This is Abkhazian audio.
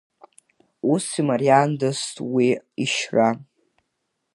Ус имариандаз уи ишьра…